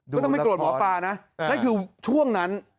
ก็ต้องไม่โกรธหมอปลานะนั่นคือช่วงนั้น